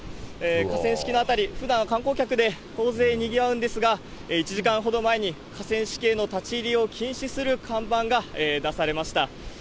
河川敷の辺り、ふだんは観光客で大勢にぎわうんですが、１時間ほど前に河川敷への立ち入りを禁止する看板が出されました。